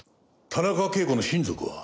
田中啓子の親族は？